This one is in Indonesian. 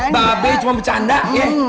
pak be cuma bercanda ya